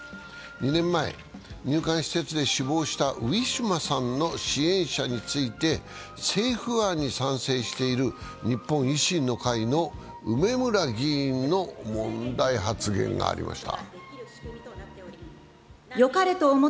２年前、入管施設で死亡したウィシュマさんの支援者について政府案に賛成している日本維新の会の梅村議員の問題発言がありました。